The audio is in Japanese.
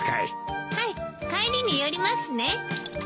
はい帰りに寄りますね。